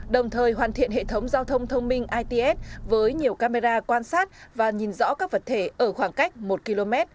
đồng thời hoàn thiện hệ thống giao thông thông minh its với nhiều camera quan sát và nhìn rõ các vật thể ở khoảng cách một km